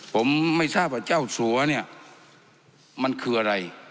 ผมไม่ทราบว่าเจ้าสัวเนี่ยมันคืออะไร